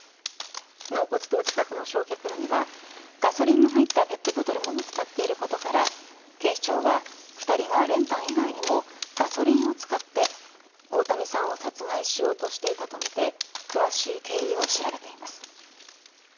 納骨堂近くの焼却炉にはガソリンの入ったペットボトルも見つかっていることから警視庁は、２人が練炭以外にもガソリンを使って大谷さんを殺害しようとしていたとみて詳しい経緯を調べています。